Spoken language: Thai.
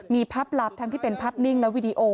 มีภาพลับทั้งที่เป็นภาพนิ่งและวิดีโอ